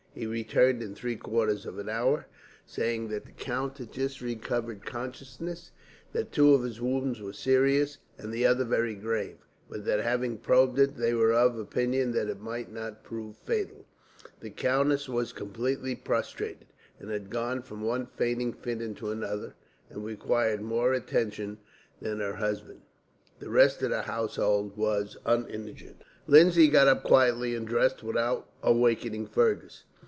He returned in three quarters of an hour, saying that the count had just recovered consciousness; that two of his wounds were serious, and the other very grave; but that having probed it, they were of opinion that it might not prove fatal. The countess was completely prostrated, and had gone from one fainting fit into another, and required more attention than her husband. The rest of the household were uninjured. Lindsay got up quietly and dressed without awaking Fergus.